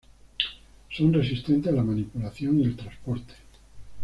Son resistentes a la manipulación y al transporte.